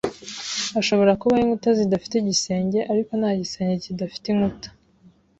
Hashobora kubaho inkuta zidafite igisenge, ariko nta gisenge kidafite inkuta.